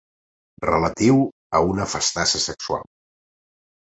Relatiu a una festassa sexual.